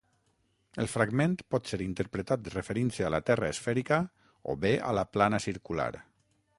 El fragment pot ser interpretat referint-se a la terra esfèrica o bé a la plana-circular.